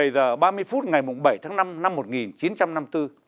một mươi giờ ba mươi phút ngày bảy tháng năm năm một nghìn chín trăm năm mươi bốn